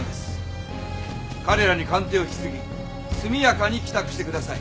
彼らに鑑定を引き継ぎ速やかに帰宅してください。